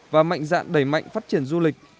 và mạnh dạng đẩy mạnh phát triển du lịch